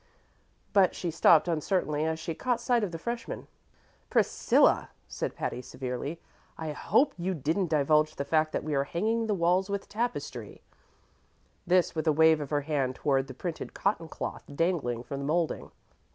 But she stopped uncertainly as she caught sight of the freshman. "Priscilla," said Patty, severely, "I hope you didn't divulge the fact that we are hanging the walls with tapestry" this with a wave of her hand toward the printed cotton cloth dangling from the molding.